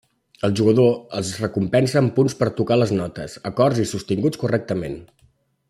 El jugador es recompensa amb punts per tocar les notes, acords i sostinguts correctament.